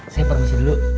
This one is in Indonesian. saya permisi dulu